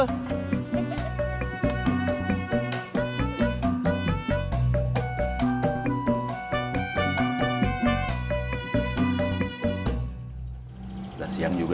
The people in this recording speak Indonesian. udah siang juga